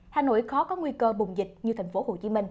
hà nội khó có nguy cơ bùng dịch như tp hcm